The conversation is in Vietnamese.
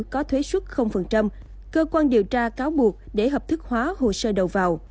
có thuế xuất cơ quan điều tra cáo buộc để hợp thức hóa hồ sơ đầu vào